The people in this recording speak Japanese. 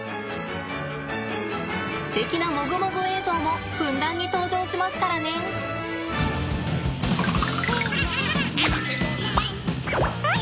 すてきなモグモグ映像もふんだんに登場しますからねん。